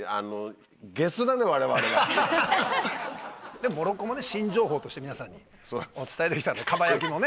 でもモロコもね新情報として皆さんにお伝えできたとかば焼きもね。